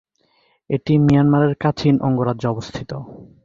এটি মিয়ানমারের কাচিন অঙ্গরাজ্যে অবস্থিত।